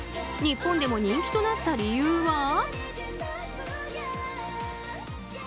日本でも人気となった理由は。